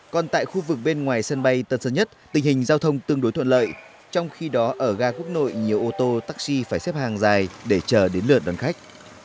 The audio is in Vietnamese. còn tại khu vực bên ngoài sân bay tân sơn nhất tình hình giao thông tương đối thuận lợi trong khi đó ở ga quốc nội nhiều ô tô taxi phải xếp hàng dài để chờ đến lượt đón khách